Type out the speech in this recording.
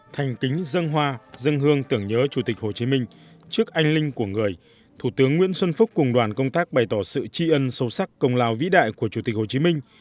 thành kính dân hoa dân hương tưởng nhớ chủ tịch hồ chí minh trước anh linh của người thủ tướng nguyễn xuân phúc cùng đoàn công tác bày tỏ sự tri ân sâu sắc công lao vĩ đại của chủ tịch hồ chí minh